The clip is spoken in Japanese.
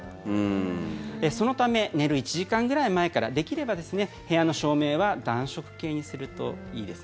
そのため寝る１時間ぐらい前からできれば、部屋の照明は暖色系にするといいです。